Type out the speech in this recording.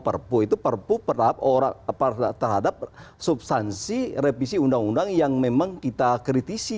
perpu itu perpu terhadap substansi revisi undang undang yang memang kita kritisi